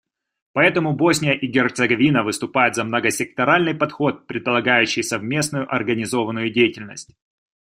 Поэтому Босния и Герцеговина выступает за многосекторальный подход, предполагающий совместную организованную деятельность.